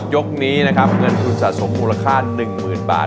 ยกนี้นะครับเงินทุนสะสมมูลค่า๑๐๐๐บาท